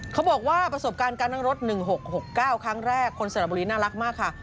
เขาบอกว่าประสบการณ์การนั่งรถ๑๖๖๙ครั้งแรกคนสระบุรีน่ารักมากค่ะ